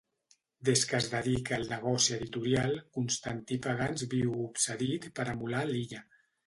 Des que es dedica al negoci editorial Constantí Pagans viu obsedit per emular l'Illa.